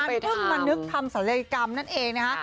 เพิ่งมานึกทำศัลยกรรมนั่นเองนะคะ